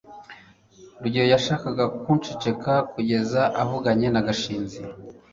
rugeyo yashakaga ko nceceka kugeza avuganye na gashinzi